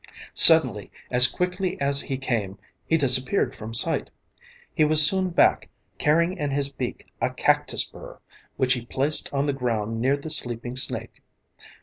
Suddenly, as quickly as he came, he disappeared from sight. He was soon back, carrying in his beak a cactus burr, which he placed on the ground near the sleeping snake.